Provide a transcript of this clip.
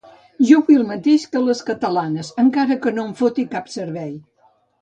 Jo vull el mateix que les catalanes, encara que no em foti cap servei.